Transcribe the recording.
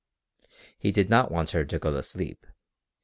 He did not want her to go to sleep.